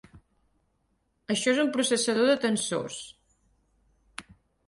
Això és un processador de tensors.